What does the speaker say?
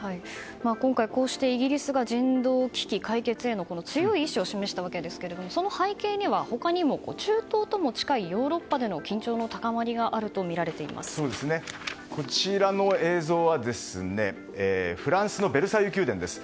今回、こうしてイギリスが人道危機解決への強い意志を示したわけですがその背景には、他にも中東とも近いヨーロッパでの緊張の高まりがあるとこちらの映像はフランスのベルサイユ宮殿です。